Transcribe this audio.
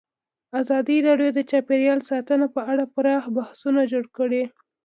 ازادي راډیو د چاپیریال ساتنه په اړه پراخ بحثونه جوړ کړي.